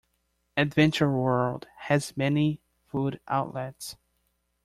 Adventure World has many food outlets.